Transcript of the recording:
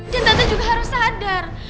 dan tante juga harus sadar